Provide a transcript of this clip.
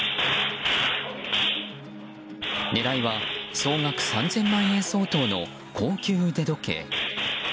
狙いは、総額３０００万円相当の高級腕時計。